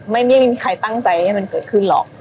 ไม่มีใครตั้งใจให้มันเกิดขึ้นหรอก